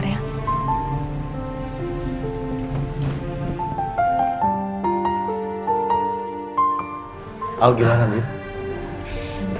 apa yang kamu lakukan tadi